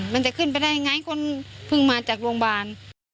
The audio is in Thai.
มันจะขึ้นไปได้ไงคนเพิ่งมาจากโรงพยาบาล